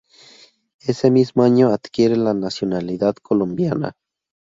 Ese mismo año adquiere la nacionalidad colombiana.